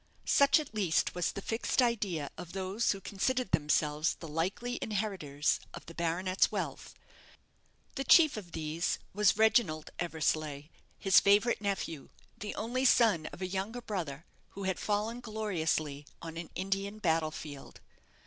Such at least was the fixed idea of those who considered themselves the likely inheritors of the baronet's wealth. The chief of these was Reginald Eversleigh, his favourite nephew, the only son of a younger brother, who had fallen gloriously on an Indian battle field.